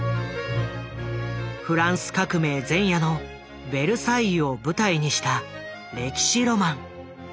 フランス革命前夜のベルサイユを舞台にした歴史ロマン。